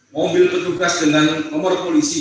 mobil petugas dengan nomor polisi